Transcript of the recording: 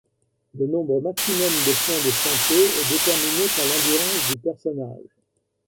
Le nombre maximum de points de santé est déterminé par l'endurance du personnage.